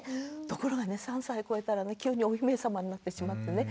ところがね３歳こえたら急にお姫様になってしまってね